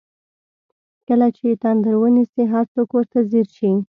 کله چې یې تندر ونیسي هر څوک ورته ځیر شي.